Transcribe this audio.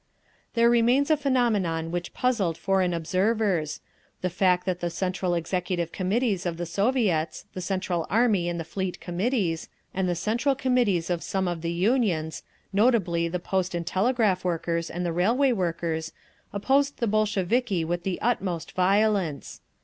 There remains a phenomenon which puzzled foreign observers: the fact that the Central Executive Committees of the Soviets, the Central Army and Fleet Committees, and the Central Committees of some of the Unions—notably, the Post and Telegraph Workers and the Railway Workers—opposed the Bolsheviki with the utmost violence.